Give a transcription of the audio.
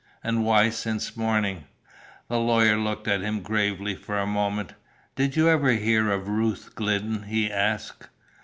"And why since morning?" The lawyer looked at him gravely for a moment. "Did you ever hear of Ruth Glidden?" he asked.